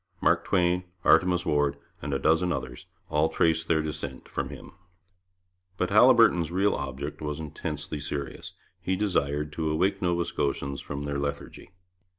Mark Twain, Artemus Ward, and a dozen others, all trace their descent from him. But Haliburton's real object was intensely serious. He desired to awake Nova Scotians from their lethargy.